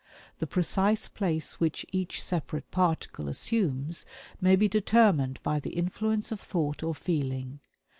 The precise place which each separate particle assumes may be determined by the influence of thought or feeling.